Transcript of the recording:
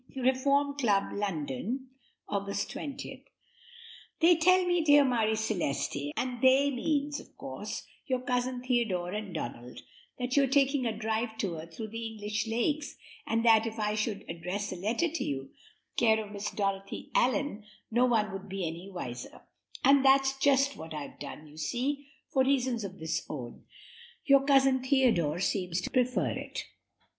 "'Reform Club, London, August 20. "'They tell me, dear Marie Celeste (and they means, of course, your Cousin Theodore and Donald), that you are taking a driving tour through the English lakes, and that if I should address a letter to you, care of Miss Dorothy Allyn, no one would be any the wiser; and that's just what I've done, you see, as, for reasons of his own, your Cousin Theodore seems to prefer it.